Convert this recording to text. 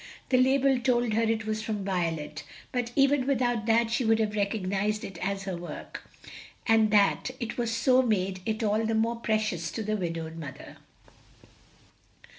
The label told her it was from Violet, but even without that she would have recognized it as her work; and that it was so made it all the more precious to the widowed mother.